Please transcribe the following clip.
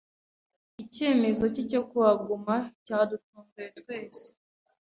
Icyemezo cye cyo kuhaguma cyadutunguye twese.